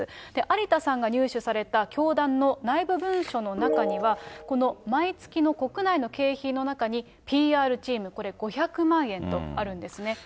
有田さんが入手された教団の内部文書の中には、この毎月の国内の経費の中に、ＰＲチーム、これ５００万円とあるんですね。